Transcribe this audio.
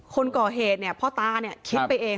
คนก่อเหตุเพาะตานั้นคิดไปเอง